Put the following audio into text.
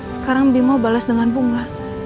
sekarang bima balas dengan bunga